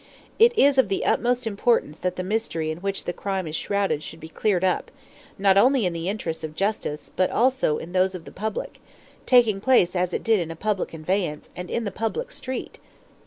It is of the utmost importance that the mystery in which the crime is shrouded should be cleared up, not only in the interests of justice, but also in those of the public taking place as it did in a public conveyance, and in the public street.